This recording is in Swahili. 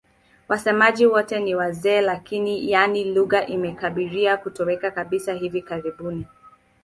Wasemaji wote ni wazee lakini, yaani lugha imekaribia kutoweka kabisa hivi karibuni.